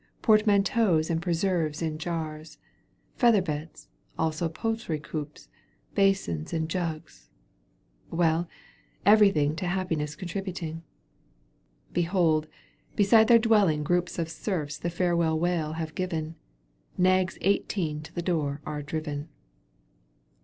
Portmanteaus and preserves in jars, Feather beds, also poultry coops. Basins and jugs — ^well ! everything To happiness contributing. Behold 1 beside their dwelling groups Of serfs the farewell wail have given. Nags eighteen to the door are driven.